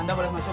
anda boleh masuk